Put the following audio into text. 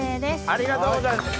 ありがとうございます。